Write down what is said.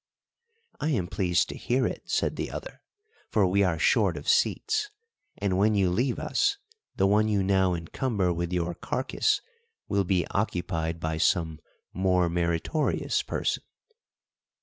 "I am pleased to hear it," said the other, "for we are short of seats; and when you leave us, the one you now encumber with your carcass will be occupied by some more meritorious person."